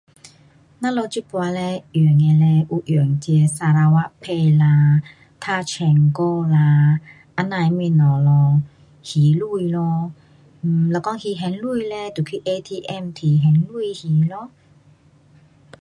我们这次嘞有用的嘞，有用这 sarawakpay 啦，touch and go 啦，这样的东西咯。还钱咯，um 若讲还现钱嘞，就去 ATM 提钱还咯。